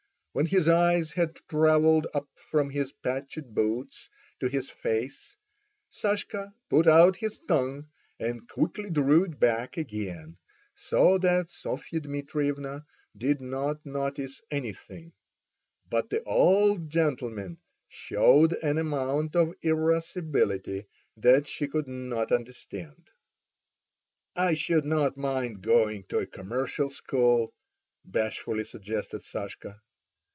When his eyes had travelled up from his patched boots to his face, Sashka put out his tongue and quickly drew it back again, so that Sofia Dmitrievna did not notice anything, but the old gentleman showed an amount of irascibility that she could not understand. "I should not mind going to a commercial school," bashfully suggested Sashka.